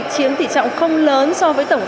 chiếm tỷ trọng không lớn so với tổng